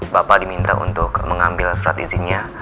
bapak diminta untuk mengambil surat izinnya